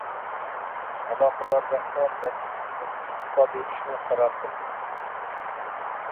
ئالاقىدار رەھبەر ۋەزىپىسىدىن ئىستېپا بېرىشنى قارار قىلدى.